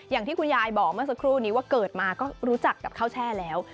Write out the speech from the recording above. อย่างที่คุณยายบอกเมื่อสักครู่นี้ว่าเกิดมาก็รู้จักกับข้าวแช่แล้ว